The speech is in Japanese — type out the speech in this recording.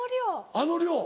あの量。